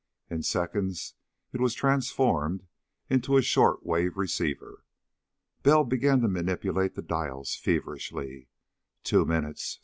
In seconds it was transformed into a short wave receiver. Bell began to manipulate the dials feverishly. Two minutes.